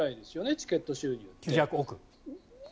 チケット収入が。